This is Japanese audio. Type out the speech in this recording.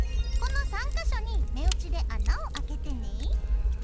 この３か所に目打ちで穴を開けてね。